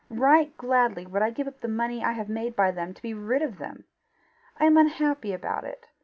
Right gladly would I give up the money I have made by them to be rid of them. I am unhappy about it.